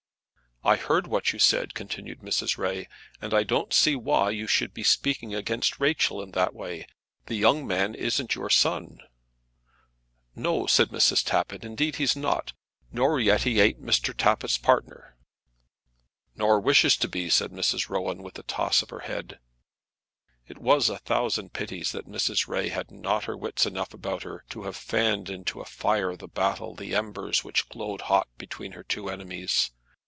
"I heard what you said," continued Mrs. Ray; "and I don't see why you should be speaking against Rachel in that way. The young man isn't your son." "No," said Mrs. Tappitt, "indeed he's not; nor yet he ain't Mr. Tappitt's partner." "Nor wishes to be," said Mrs. Rowan, with a toss of her head. It was a thousand pities that Mrs. Ray had not her wits enough about her to have fanned into a fire of battle the embers which glowed hot between her two enemies.